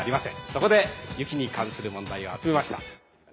そこで雪に関する問題を集めました。